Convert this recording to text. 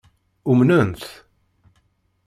Umnent?